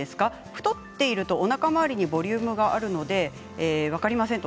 太っていると、おなか回りにボリュームがあるので分かりません。